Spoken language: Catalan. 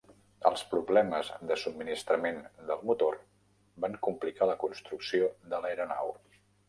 Els problemes de subministrament del motor van complicar la construcció de l'aeronau.